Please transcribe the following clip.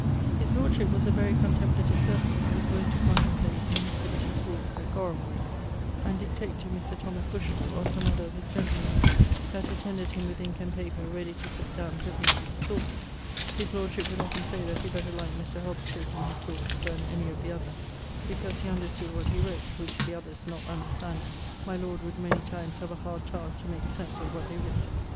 His lordship was a very contemplative person, and was wont to contemplate in his delicious walkes at Gorambery[FQ], and dictate to Mr. Thomas Bushell, or some other of his gentlemen, that attended him with inke and paper ready to sett downe presently his thoughts. His lordship would often say that he better liked Mr. Hobbes's taking his thoughts, then any of the other, because he understood what he wrote, which the others not understanding, my Lord would many times have a hard taske to make sense of what they writt.